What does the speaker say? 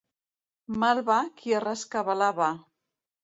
Mal va qui a rescabalar va.